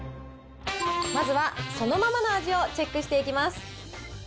まずはそのままの味をチェックしていきます。